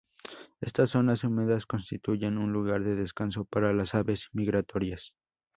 Estas zonas húmedas constituyen un lugar de descanso para las aves migratorias.